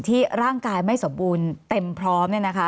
ร่างกายไม่สมบูรณ์เต็มพร้อม